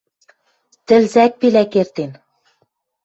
Тӹлзӓк-пелӓк эртен.